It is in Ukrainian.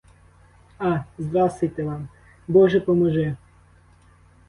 А, здрастуйте вам, боже поможи!